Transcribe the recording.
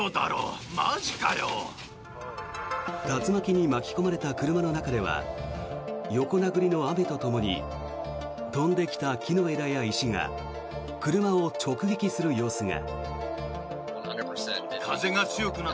竜巻に巻き込まれた車の中では横殴りの雨とともに飛んできた木の枝や石が車を直撃する様子が。